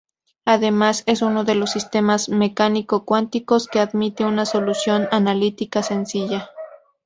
Además, es uno de los sistemas mecánico cuánticos que admite una solución analítica sencilla.